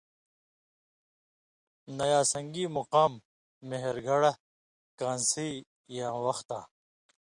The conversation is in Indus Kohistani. نیاسنگی ، مقام، مھرگڑھ، کان٘سی یاں وختاں ،